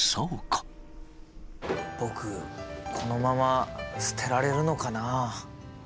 僕このまま捨てられるのかな。